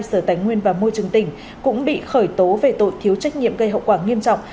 sở tài nguyên và môi trường tỉnh cũng bị khởi tố về tội thiếu trách nhiệm gây hậu quả nghiêm trọng